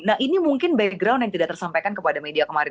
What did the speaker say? nah ini mungkin background yang tidak tersampaikan kepada media kemarin